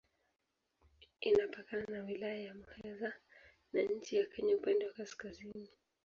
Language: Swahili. Inapakana na Wilaya ya Muheza na nchi ya Kenya upande wa kaskazini.